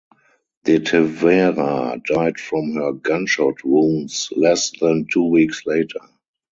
De Tavera died from her gunshot wounds less than two weeks later.